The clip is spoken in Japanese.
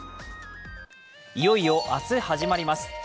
いよいよ明日始まります。